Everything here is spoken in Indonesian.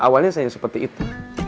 awalnya saya seperti itu